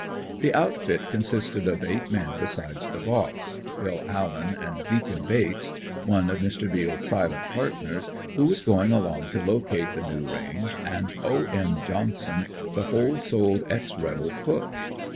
The outfit consisted of eight men besides the boss, Bill Allen and "Deacon" Bates, one of Mr. Beals' silent partners, who was going along to locate the new range and O. M. Johnson, the whole souled ex rebel cook.